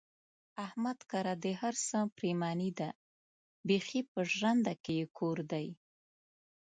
احمد کره د هر څه پرېماني ده، بیخي په ژرنده کې یې کور دی.